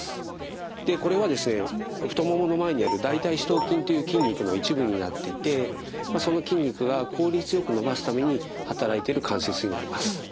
でこれはですね太ももの前にある大腿四頭筋という筋肉の一部になっていてその筋肉が効率よく伸ばすために働いている関節になります。